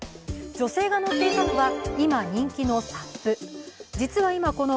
女性が乗っていたのは、今人気のＳＵＰ。